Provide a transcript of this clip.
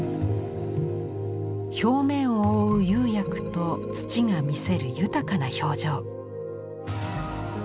表面を覆う釉薬と土が見せる豊かな表情。